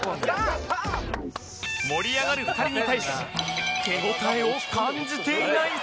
盛り上がる２人に対し手応えを感じていないスギ。